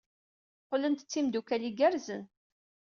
Qqlent d timeddukal igerrzen.